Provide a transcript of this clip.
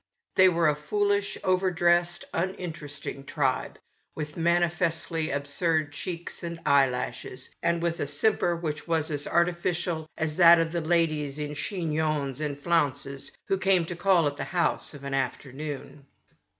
They were a foolish, over dressed, uninteresting tribe, with manifestly absurd cheeks and eye lashes, and with a simper which was as arti ficial as that of the ladies in chignons and flounces who came to call at the house in St. John's Wood.